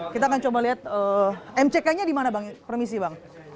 kita akan coba lihat mck nya di mana bang permisi bang